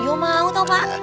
iya mau tau pak